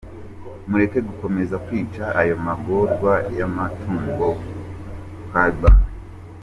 “ Mureke gukomeza kwica ayo magorwa y’amatungo, qurbani”